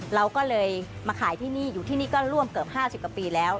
เราก็เลยมาขายที่นี่อยู่ที่นี่ก็ร่วมเกือบ๕๐กว่าปีแล้ว